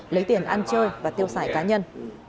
lấy tiền ăn chơi và tiêu xài cá nhân